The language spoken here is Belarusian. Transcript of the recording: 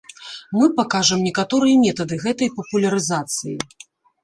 Мы пакажам некаторыя метады гэтай папулярызацыі.